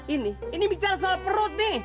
ini ini bicara soal perut nih